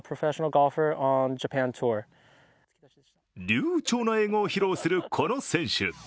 流ちょうな英語を披露するこの選手。